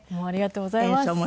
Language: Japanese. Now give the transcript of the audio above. ありがとうございます。